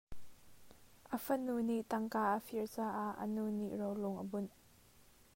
A fanu nih tangka a fir caah a nu nih rolung a bunh.